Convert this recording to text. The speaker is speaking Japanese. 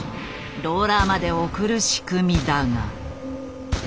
ローラーまで送る仕組みだが。